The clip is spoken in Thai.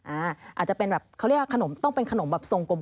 อาจจะเป็นแบบต้องเป็นขนมส่งกลม